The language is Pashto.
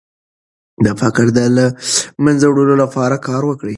د فقر د له منځه وړلو لپاره کار وکړئ.